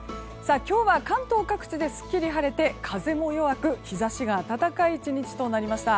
今日は関東各地ですっきり晴れて風も弱く日差しが暖かい１日となりました。